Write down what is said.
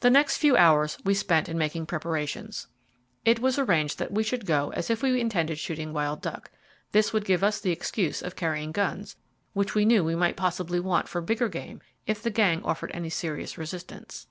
The next few hours we spent in making preparations. It was arranged that we should go as if we intended shooting wild duck. This would give us the excuse of carrying guns, which we knew we might possibly want for bigger game if the gang offered any serious resistance.